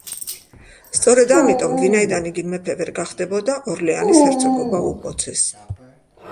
სწორედ ამიტომ, ვინაიდან იგი მეფე ვერ გახდებოდა, ორლეანის ჰერცოგობა უბოძეს.